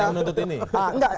yang menuntut ini